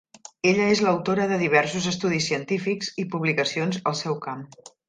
Ella és l"autora de diversos estudis científics i publicacions al seu camp.